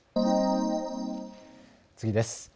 次です。